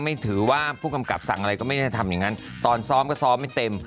ไม่ถือว่าผู้กำกับสั่งอะไรก็ไม่ได้ทำอย่างนั้นตอนซ้อมก็ซ้อมไม่เต็ม